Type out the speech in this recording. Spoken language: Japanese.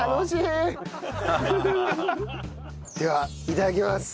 ではいただきます。